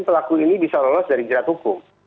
pelaku ini bisa lolos dari jerat hukum